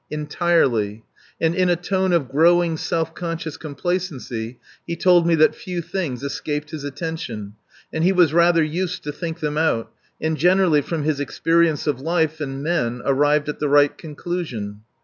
Entirely. And in a tone of growing self conscious complacency he told me that few things escaped his attention, and he was rather used to think them out, and generally from his experience of life and men arrived at the right conclusion.